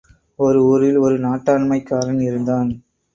ஒரு ஊரில் ஒரு நாட்டாண்மைக்காரன் இருந்தான்.